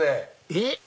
えっ？